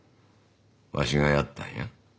わしがやったんや。